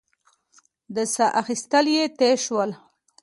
د سا اخېستل يې تېز شول.